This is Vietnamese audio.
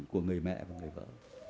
của người mẹ và người vợ